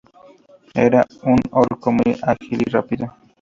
Era un orco muy ágil y rápido.